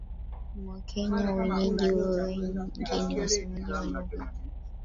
mwa Kenya wenyeji wengi si wasemaji wa lugha